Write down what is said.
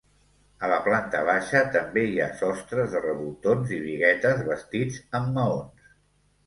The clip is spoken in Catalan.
A la planta baixa també hi ha sostres de revoltons i biguetes bastits amb maons.